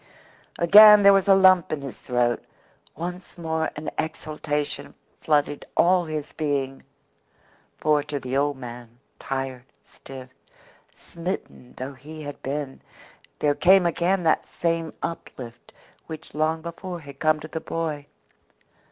Again there was a lump in his throat once more an exultation flooded all his being. For to the old man tired, stiff, smitten though he had been, there came again that same uplift which long before had come to the boy.